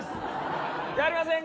やりませんか？